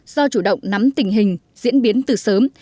do chủ động nắm tình hình diễn biến từ sớm